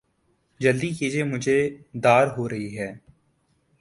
جلدی کیجئے مجھے دعر ہو رہی ہے